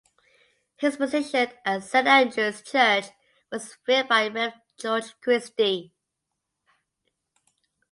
His position at St Andrews Church was filled by Rev George Christie.